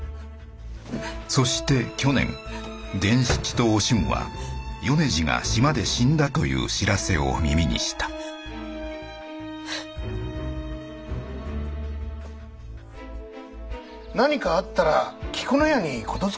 そして去年伝七とお俊は米次が島で死んだという知らせを耳にした何かあったら菊乃屋に言づけてくんねえ。